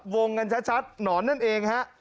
วงกันชัดหนอนนั่นเองฮะ